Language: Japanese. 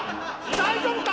大丈夫か？